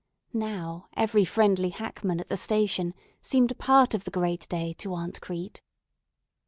Now every friendly hackman at the station seemed a part of the great day to Aunt Crete.